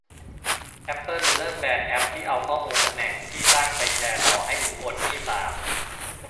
แอปเปิลเริ่มแบนแอปที่เอาข้อมูลตำแหน่งที่ตั้งไปแชร์ต่อให้บุคคลมี่สาม